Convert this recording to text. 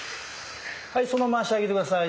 そのまま脚上げて下さい。